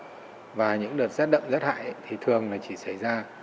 bởi vì những đợt rét đậm rét hại thì thường chỉ xảy ra